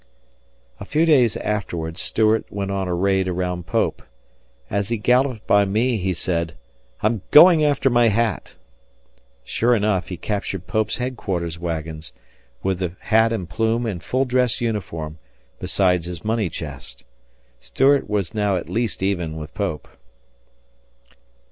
A few days afterwards Stuart went on a raid around Pope. As he galloped by me, he said, "I am going after my hat." Sure enough, he captured Pope's headquarters wagons, with the hat and plume and full dress uniform, besides his money chest. Stuart was now at least even with Pope.